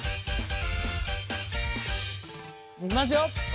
いきますよ。